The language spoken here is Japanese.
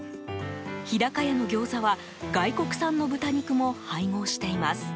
日高屋のギョーザは外国産の豚肉も配合しています。